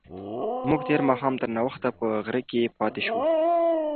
موږ تېر ماښام تر ناوخته په غره کې پاتې شوو.